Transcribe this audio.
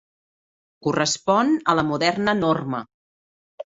Correspon a la moderna Norma.